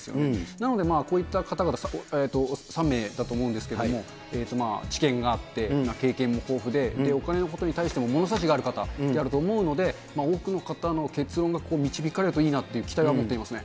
なので、こういった方々、３名だと思うんですけれども、知見があって、経験も豊富でお金のことに対しても物差しがある方でもあると思うので、多くの方の結論が導かれるといいなっていう期待は持っていますね。